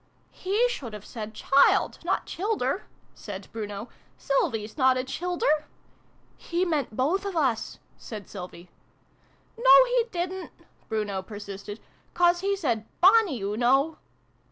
" He should have said ' child', not ' childer ''," said Bruno. " Sylvie's not a childer !"" He meant both of us," said Sylvie. " No, he didn't !" Bruno persisted. " 'cause he said ' bonnie ', oo know